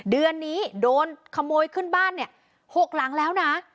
เดือนนี้โดนขโมยขึ้นบ้านเนี่ย๖หลังแล้วนะ